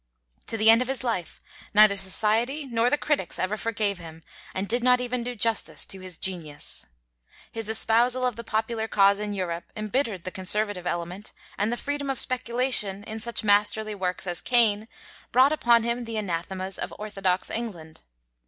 To the end of his life, neither society nor the critics ever forgave him, and did not even do justice to his genius. His espousal of the popular cause in Europe embittered the conservative element, and the freedom of speculation in such masterly works as 'Cain' brought upon him the anathemas of orthodox England.